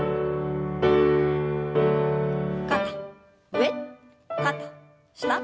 肩上肩下。